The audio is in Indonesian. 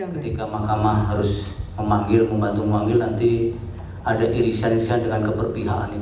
ketika mahkamah harus memanggil membantu memanggil nanti ada irisan irisan dengan keberpihakan ini